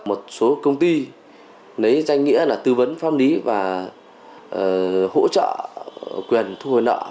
một số công ty lấy danh nghĩa là tư vấn pháp lý và hỗ trợ quyền thu hồi nợ